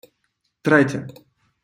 Третє